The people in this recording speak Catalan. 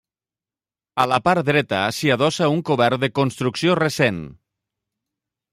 A la part dreta s'hi adossa un cobert de construcció recent.